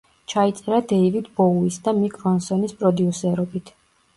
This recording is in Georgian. ჩაიწერა დეივიდ ბოუის და მიკ რონსონის პროდიუსერობით.